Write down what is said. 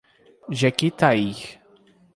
Jequitaí